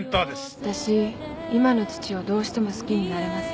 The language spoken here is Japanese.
わたし今の父をどうしても好きになれません。